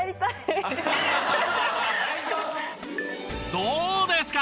どうですか？